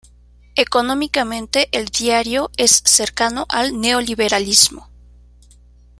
Económicamente el diario es cercano al neoliberalismo.